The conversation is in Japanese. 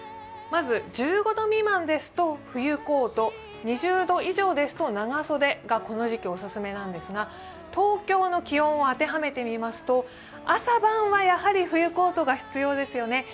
まず、１５度未満ですと冬コート２０度以上ですと長袖がこの時期お勧めなんですが東京の気温を当てはめてみますと朝晩は冬コートが必要ですよね。